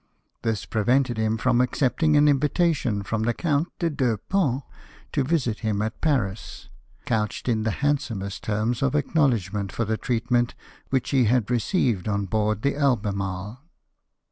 This prevented him from accepting an invitation from the Count de Deux Fonts to visit him at Paris, couched in the handsomest terms ot acknowledgment for the treatment which he had received on board the Albemarle.